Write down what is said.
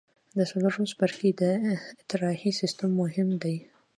د څلورم څپرکي د اطراحي سیستم مهم دی.